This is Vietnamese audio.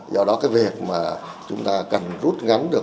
do đó cái việc mà chúng ta cần rút ngắn được